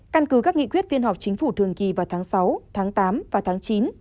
căn cứ các nghị quyết viên học chính phủ thường kỳ vào tháng sáu tháng tám và tháng chín